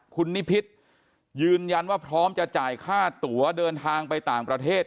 คุณนิพิษยืนยันว่าพร้อมจะจ่ายค่าตัวเดินทางไปต่างประเทศ